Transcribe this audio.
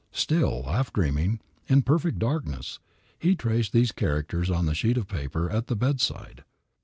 Still half dreaming, in perfect darkness, he traced these characters on the sheet of paper at the bedside.